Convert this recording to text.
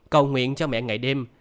cầu nguyện cho mẹ ngày đêm